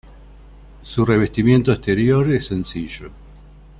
Su revestimiento exterior es sencillo.